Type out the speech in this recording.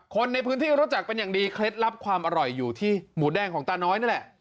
คนในพื้นที่รู้จักเป็นอย่างดีเคล็ดลับความอร่อยอยู่ที่หมูแดงของตาน้อยนั่นแหละ